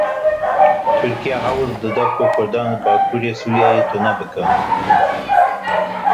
Tirkiye hewl dide ku Kurdan li bakurê Sûriyeyê tune bike.